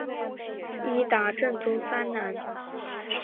伊达政宗三男。